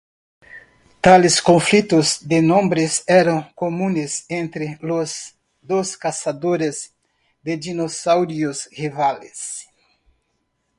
Tales conflictos de nombres eran comunes entre los dos cazadores de dinosaurios rivales.